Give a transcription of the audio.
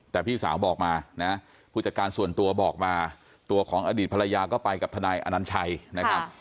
แต่พี่สาวบอกมานะผู้จัดการส่วนตัวบอกมาตัวของอดีตภรรยาก็ไปกับทนายอนัญชัยนะครับ